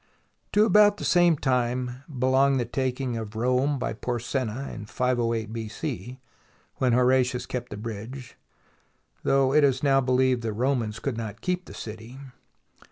To about the same time belong the taking of Rome by Porsenna (508 B.C.), when Horatius kept the bridge, though (it is now believed) the Romans could not keep the city.